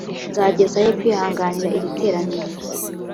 nzageza he kwihanganira iri teraniro ribi